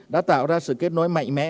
đã tạo ra sự kết nối mạnh mẽ